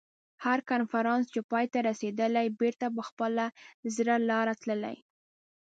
هر کنفرانس چې پای ته رسېدلی بېرته په خپله زړه لاره تللي.